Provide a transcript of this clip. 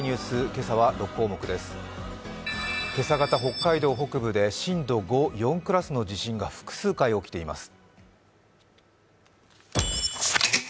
今朝方、北海道北部で震度５、４クラスの地震が複数回起きています。